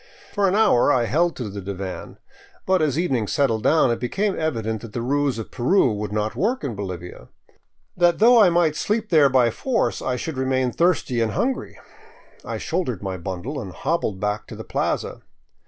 For an hour I held to the divan. But as evening settled down, it be came evident that the ruse of Peru would not work in Bolivia; that though I might sleep there by force, I should remain thirsty and hungry. I shouldered my bundle and hobbled back to the plaza.